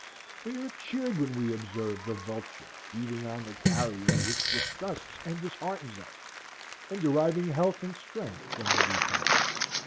We are cheered when we observe the vulture feeding on the carrion which disgusts and disheartens us and deriving health and strength from the repast.